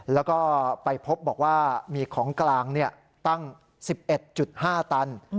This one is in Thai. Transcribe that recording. แล้วก็ไปพบบอกว่ามีของกลางตั้ง๑๑๕ตัน